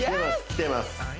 きてます